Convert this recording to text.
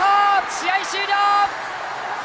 試合終了！